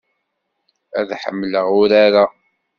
Ad ḥemmleɣ urar-a.